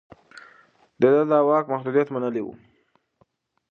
ده د واک محدوديت منلی و.